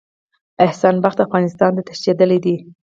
احسان بخت افغانستان ته تښتېدلی دی.